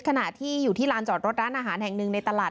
ขณะที่อยู่ที่ลานจอดรถร้านอาหารแห่งหนึ่งในตลาด